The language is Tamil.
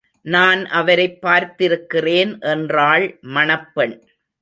நான் அவரைப் பார்த்திருக்கிறேன் என்றாள் மணப்பெண்.